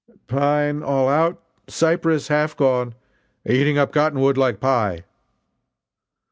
"Pine all out cypress half gone eating up cotton wood like pie!"